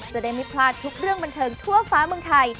จะได้ไม่พลาดทุกเรื่องบันเทิงทั่วฟ้าเมืองไทย